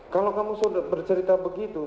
kalau kamu bercerita begitu